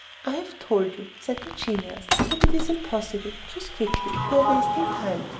"I have told you," said the genius, "that it is impossible. Choose quickly; you are wasting time."